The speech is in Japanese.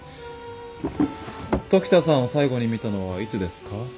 時田さんを最後に見たのはいつですか。